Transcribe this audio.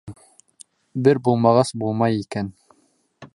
Бер булмағас, булмай икән!